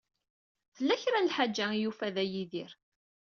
Tella kra n lḥaǧa i yufa Dda Yidir.